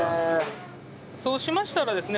そうしましたらですね